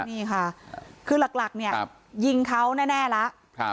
นี่ค่ะคือหลักหลักเนี้ยครับยิงเขาแน่แน่แล้วครับ